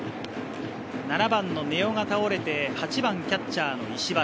７番の根尾が倒れて８番キャッチャー・石橋。